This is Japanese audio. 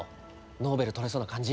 ノーベル取れそうな感じ？